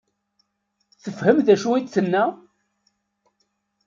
Tefhem d acu i d-tenna?